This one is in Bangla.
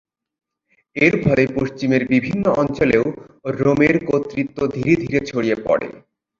এর ফলে পশ্চিমের বিভিন্ন অঞ্চলেও রোমের কর্তৃত্ব ধীরে ধীরে ছড়িয়ে পড়ে।